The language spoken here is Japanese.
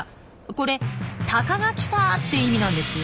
これ「タカが来た」って意味なんですよ。